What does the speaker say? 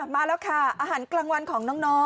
มาแล้วค่ะอาหารกลางวันของน้อง